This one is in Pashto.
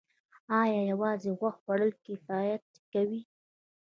ایا یوازې غوښه خوړل کفایت کوي